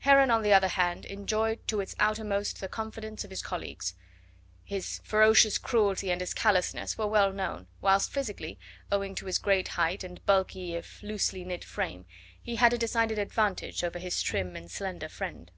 Heron, on the other hand, enjoyed to its outermost the confidence of his colleagues; his ferocious cruelty and his callousness were well known, whilst physically, owing to his great height and bulky if loosely knit frame, he had a decided advantage over his trim and slender friend.